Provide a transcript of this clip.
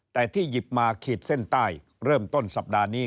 แต่ที่หยิบมาขีดเส้นใต้เริ่มต้นสัปดาห์นี้